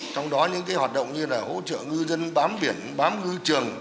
trong đó những hoạt động như là hỗ trợ ngư dân bám biển bám ngư trường